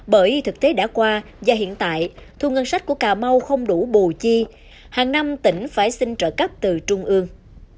bởi thực tế đã qua và hiện tại thu ngân sách của cà mau không đủ bù chi hàng năm tỉnh phải xin trợ cấp từ trung ương